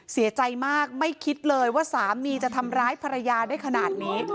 เสียใจมากไม่คิดเลยว่าสามีจะทำร้ายภรรยาได้ขนาดนี้